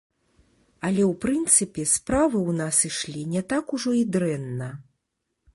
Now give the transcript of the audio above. Але, у прынцыпе, справы ў нас ішлі не так ужо і дрэнна.